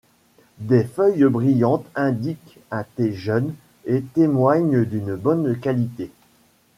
Des feuilles brillantes indiquent un thé jeune et témoignent d'une bonne qualité.